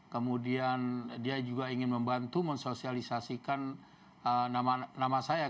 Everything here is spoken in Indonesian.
kemudian dia juga ingin membantu mensosialisasikan nama saya